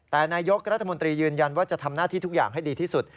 แต่นายกรัฐมนตรียืนยันว่าจะทำหน้าที่ทุกอย่างให้ดีที่สุด